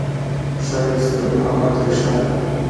ښایست د محبت ریښه ده